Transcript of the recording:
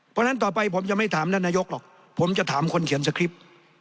เพราะฉะนั้นต่อไปผมจะไม่ถามท่านนายกหรอกผมจะถามคนเขียนสคริปต์